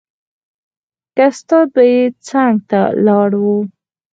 که استاد به يې څنګ ته ولاړ و.